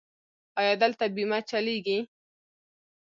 ایا دلته بیمه چلیږي؟